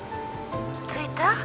着いた？